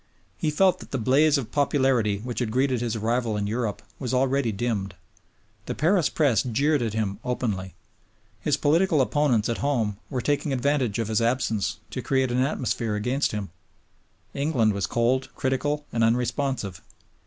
He felt that the blaze of popularity which had greeted his arrival in Europe was already dimmed; the Paris Press jeered at him openly; his political opponents at home were taking advantage of his absence to create an atmosphere against him; England was cold, critical, and unresponsive.